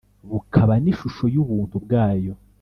bukaba n’ishusho y’ubuntu bwayo.